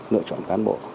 lựa chọn cán bộ